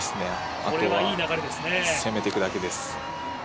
あとは攻めていくだけです。